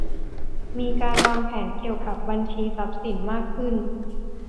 มีการวางแผนเกี่ยวกับบัญชีทรัพย์สินมากขึ้น